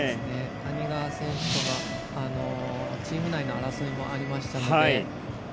谷川選手とチーム内の争いもありましたので。